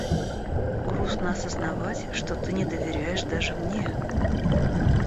Грустно осознавать, что ты не доверяешь даже мне.